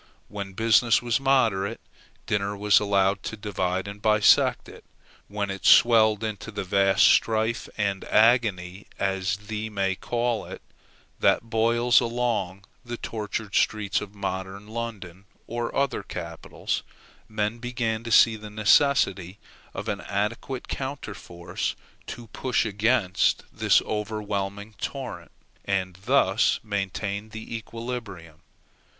When business was moderate, dinner was allowed to divide and bisect it. When it swelled into that vast strife and agony, as one may call it, that boils along the tortured streets of modern London or other capitals, men began to see the necessity of an adequate counterforce to push against this overwhelming torrent, and thus maintain the equilibrium.